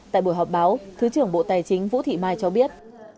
tại buổi họp báo thứ trưởng bộ tài chính vũ thị mai cho biết